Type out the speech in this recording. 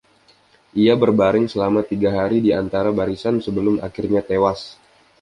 Ia berbaring selama tiga hari di antara barisan sebelum akhirnya tewas.